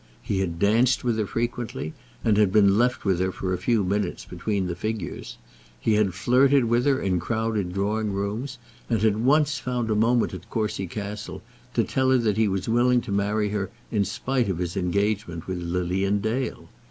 He had danced with her frequently, and been left with her for a few minutes between the figures. He had flirted with her in crowded drawing rooms, and had once found a moment at Courcy Castle to tell her that he was willing to marry her in spite of his engagement with Lilian Dale.